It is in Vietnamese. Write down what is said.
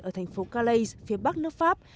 ở thành phố calais phía bắc nước pháp